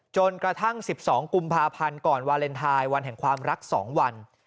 จนกระทั่ง๑๒กุมภาพันธ์ก่อนวาเลนไทยวันแห่งความรัก๒วัน